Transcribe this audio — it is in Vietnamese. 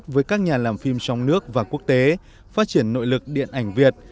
với các nhà làm phim trong nước và quốc tế phát triển nội lực điện ảnh việt